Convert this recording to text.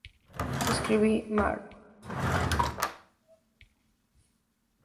Escribí "Mr.